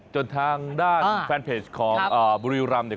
จนทางด้านแฟนเพจของบุรางร์